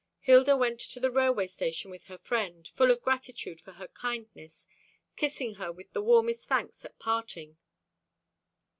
Hilda went to the railway station with her friend, full of gratitude for her kindness, kissing her with warmest thanks at parting.